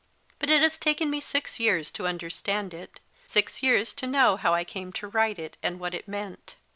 But it has taken me six years to understand it, six years to know how I came to write it, and what it meant.